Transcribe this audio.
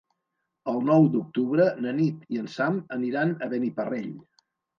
El nou d'octubre na Nit i en Sam aniran a Beniparrell.